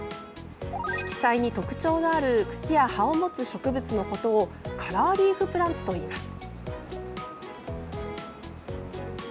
色彩に特徴のある茎や葉を持つ植物のことをカラーリーフプランツといいます。